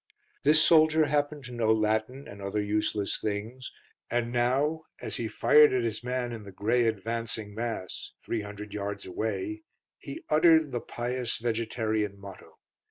This soldier happened to know Latin and other useless things, and now, as he fired at his man in the grey advancing mass 300 yards away he uttered the pious vegetarian motto.